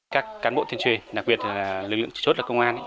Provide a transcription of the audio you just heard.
các cán bộ tuyên truyền đặc biệt là lực lượng chủ chốt và công an